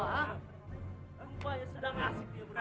tumpahnya sedang ngasih dia berdua